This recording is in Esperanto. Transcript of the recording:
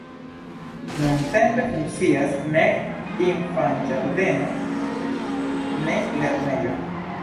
Nuntempe funkcias nek infanĝardeno, nek lernejo.